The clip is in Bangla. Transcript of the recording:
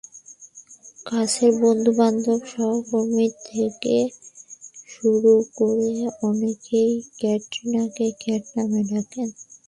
কাছের বন্ধু-বান্ধব, সহকর্মী থেকে শুরু করে অনেকেই ক্যাটরিনাকে ক্যাট নামে ডাকেন।